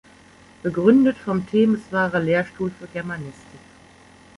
Begründet vom Temeswarer Lehrstuhl für Germanistik.